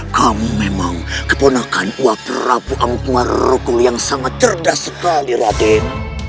kamu memang keponakan wabrabu angkma rukul yang sangat cerdas sekali raden